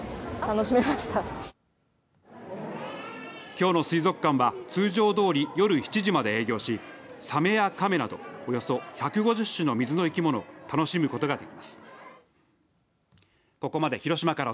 きょうの水族館は通常どおり夜７時まで営業しサメやカメなどおよそ１５０種の水の生き物を楽しむことができます。